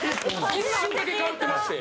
一瞬だけ通ってまして。